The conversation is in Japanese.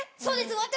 そうです